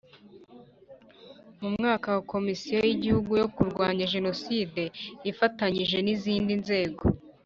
Mu mwaka wa Komisiyo y Igihugu yo Kurwanya Jenoside ifatanyije n izindi nzego